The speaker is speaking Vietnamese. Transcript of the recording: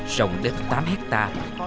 rộng đất tám hecta